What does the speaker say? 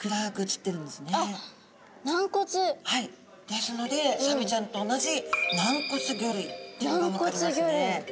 ですのでサメちゃんと同じ軟骨魚類っていうのが分かりますね。